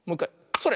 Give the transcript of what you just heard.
それ！